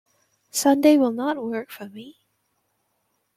Sunday will not work for me.